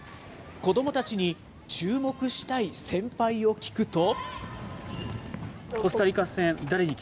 子どもたちに注目したい先輩を聞くと。